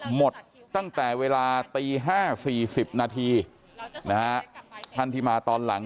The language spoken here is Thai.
หมดตั้งแต่เวลาตี๕๔๐นาทีนะฮะท่านที่มาตอนหลัง